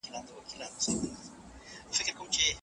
ډيپلوماسي د ملتونو ترمنځ د باور د زیاتېدو وسیله ده.